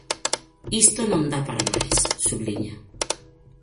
"Isto non dá para máis", subliña.